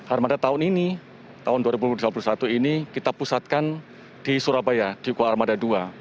armada tahun ini tahun dua ribu dua puluh satu ini kita pusatkan di surabaya di kua armada dua